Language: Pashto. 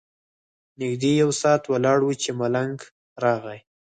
نږدې یو ساعت ولاړ وو چې ملنګ راغی.